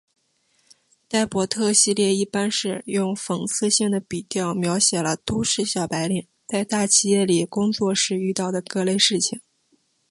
呆伯特系列一般是用讽刺性的笔调描写了都市小白领在大企业里工作时遇到的各类事情。